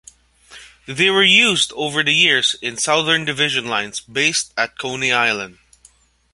They were used over the years in Southern Division lines based at Coney Island.